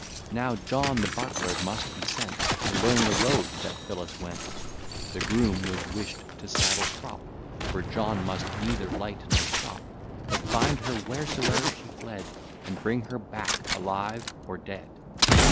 Now John the butler must be sent To learn the road that Phyllis went: The groom was wish'd to saddle Crop; For John must neither light nor stop, But find her, wheresoe'er she fled, And bring her back alive or dead.